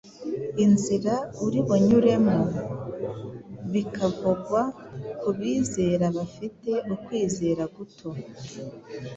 inzira uri bunyuremo,… bikavugwa ku bizera bafite ukwizera guto…